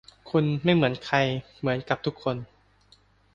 คุณ ไม่เหมือนใคร เหมือนกับ ทุกคน